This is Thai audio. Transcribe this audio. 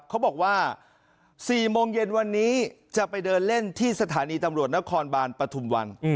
เขาบอกว่า๔โมงเย็นวันนี้จะไปเดินเล่นที่สถานีตำรวจนครบานปฐุมวัน